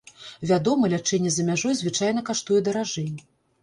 Вядома, лячэнне за мяжой звычайна каштуе даражэй.